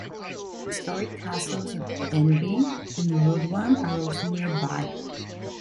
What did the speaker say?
The historic castles of Denbigh and Rhuddlan are also nearby.